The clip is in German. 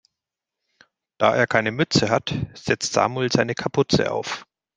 Da er keine Mütze hat, setzt Samuel seine Kapuze auf.